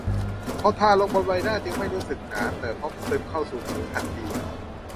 พอทาลงบนใบหน้าจึงไม่รู้สึกหนาเตอะเพราะซึมเข้าสู่ผิวทันที